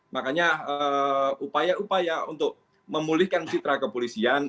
makanya upaya upaya untuk memulihkan citra kepolisian